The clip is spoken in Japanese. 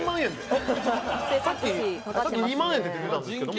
さっき２万円って出たんですけど。